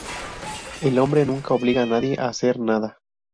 El hombre nunca obliga a nadie a hacer nada.